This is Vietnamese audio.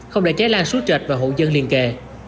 không để cháy lan suốt trệt và hộ dân liên kề